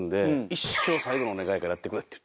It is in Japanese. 「一生最後のお願いだからやってくれ」って言って。